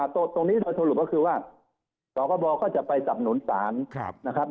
ตรงนี้โดยสรุปก็คือว่าสคบก็จะไปสับหนุนศาลนะครับ